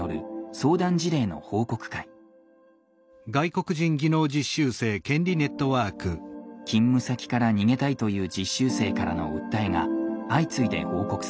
勤務先から逃げたいという実習生からの訴えが相次いで報告されました。